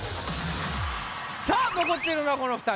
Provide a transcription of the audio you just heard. さぁ残っているのはこの２人。